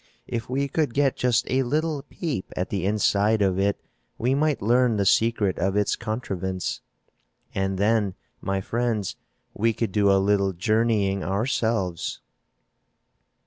If we could get just a little peep at the inside of it we might learn the secret of its contrivance. And then, my friends, we could do a little journeying ourselves."